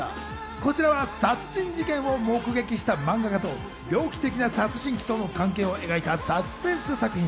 こちらは殺人事件を目撃した漫画家と猟奇的な殺人鬼との関係を描いたサスペンス作品。